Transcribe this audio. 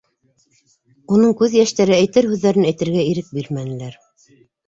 Уның күҙ йәштәре әйтер һүҙҙәрен әйтергә ирек бирмәнеләр.